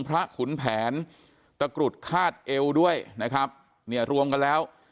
ขุนแผนตะกรุดคาดเอวด้วยนะครับเนี่ยรวมกันแล้ว